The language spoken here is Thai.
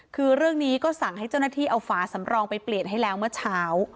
คือเรื่องนี้ก็สั่งให้เจ้าหน้าที่เอาฝาสำรองไปเปลี่ยนให้แล้วเมื่อเช้า